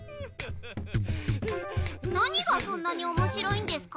何がそんなにおもしろいんですか？